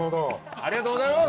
ありがとうございます！